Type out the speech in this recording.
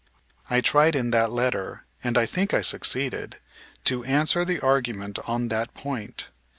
I tried in that letter, and I think I succeeded, to answer the argument on that point.